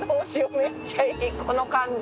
めっちゃいいこの感じ。